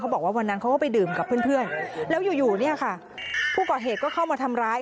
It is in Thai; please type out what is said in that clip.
บอกว่าวันนั้นเขาก็ไปดื่มกับเพื่อนแล้วอยู่เนี่ยค่ะผู้ก่อเหตุก็เข้ามาทำร้าย